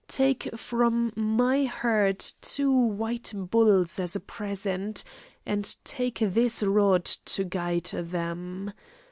Take from my herd two white bulls as a present, and take this rod to guide them.